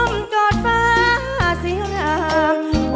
อ้อมกอดฟ้าเสียงหลาก